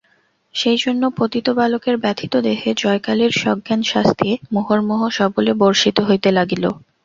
সেইজন্য পতিত বালকের ব্যথিত দেহে জয়কালীর সজ্ঞান শাস্তি মুহুর্মুহু সবলে বর্ষিত হইতে লাগিল।